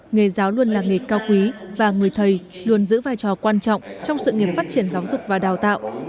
nghề giáo luôn là nghề cao quý và người thầy luôn giữ vai trò quan trọng trong sự nghiệp phát triển giáo dục và đào tạo